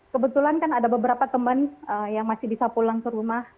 kebetulan kan ada beberapa teman yang masih bisa pulang ke rumah